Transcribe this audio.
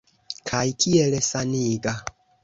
Kaj kiel saniga!